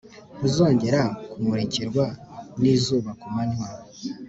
ntuzongera kumurikirwa n’izuba ku manywa,